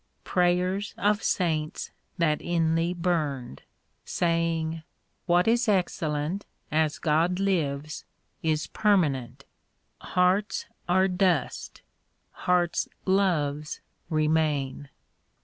Prayers of Saints that inly burned, — Saying, What is excellent As God lives, is •permanent ; Hearts are dust, hearfs loves remain.